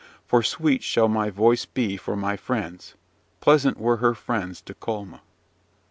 For sweet shall my voice be for my friends: pleasant were her friends to Colma.